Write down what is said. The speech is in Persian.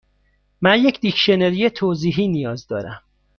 من یک دیکشنری توضیحی نیاز دارم.